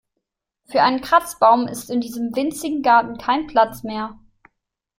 Für einen Kratzbaum ist in diesem winzigen Garten kein Platz mehr.